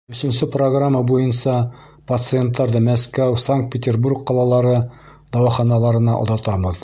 Өсөнсө программа буйынса пациенттарҙы Мәскәү, Санкт-Петербург ҡалалары дауаханаларына оҙатабыҙ.